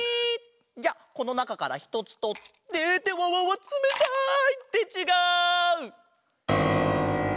じゃあこのなかからひとつとってってわわわつめたい！ってちがう！